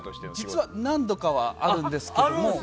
実は何度かはあるんですけども。